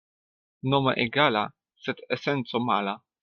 Nomo egala, sed esenco mala.